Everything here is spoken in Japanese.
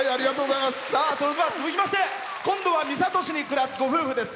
それでは、続きまして今度は三郷市に暮らすご夫婦です。